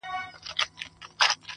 کله لس کله مو سل په یوه آن مري-